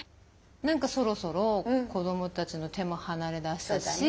何かそろそろ子どもたちの手も離れだしたし。